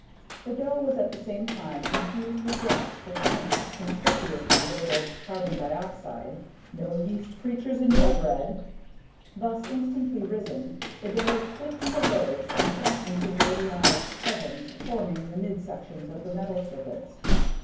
The dough was at the same time infused with gas from a tank conspicuously labeled "Carbon Dioxide" ("No Yeast Creatures in Your Bread!"). Thus instantly risen, the dough was clipped into loaves and shot into radionic ovens forming the midsections of the metal serpents.